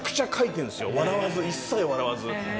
笑わず一切笑わず。